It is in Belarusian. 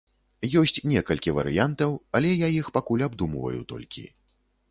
Ёсць некалькі варыянтаў, але я іх пакуль абдумваю толькі.